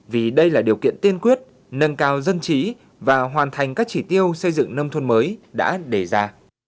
vì đây là điều kiện tiên quyết nâng cao dân trí và hoàn thành các chỉ tiêu xây dựng nông thôn mới đã đề ra